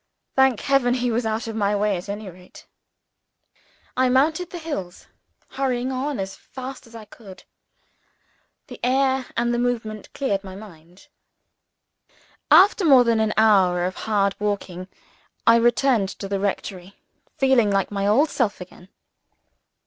Thank Heaven, he was out of my way at any rate! I mounted the hills, hurrying on as fast as I could. The air and the movement cleared my mind. After more than an hour of hard walking, I returned to the rectory, feeling like my old self again.